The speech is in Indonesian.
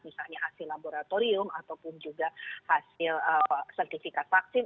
misalnya hasil laboratorium ataupun juga hasil sertifikat vaksin